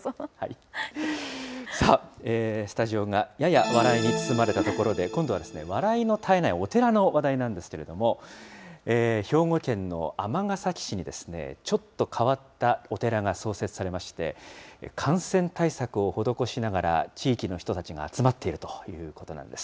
さあ、スタジオがやや笑いに包まれたところで、今度は笑いの絶えないお寺の話題なんですけれども、兵庫県の尼崎市に、ちょっと変わったお寺が創設されまして、感染対策を施しながら、地域の人たちが集まっているということなんです。